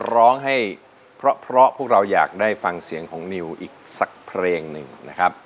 ร้องให้เพราะพวกเราอยากได้ฟังเสียงของนิวอีกสักเพลงหนึ่งนะครับ